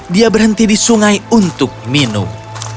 dia berhenti di sungai untuk minum